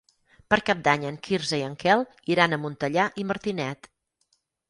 Per Cap d'Any en Quirze i en Quel iran a Montellà i Martinet.